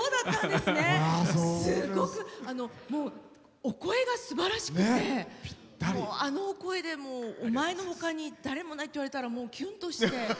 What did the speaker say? すごく、もうお声がすばらしくてあのお声で「おまえのほかに誰もいない」って言われたらキュンとして。